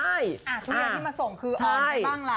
โรงเรียนที่มาส่งคือออนไปบ้างล่ะ